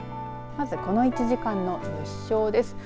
まず、この１時間の日照です。